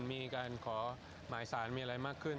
มีการขอหมายสารมีอะไรมากขึ้น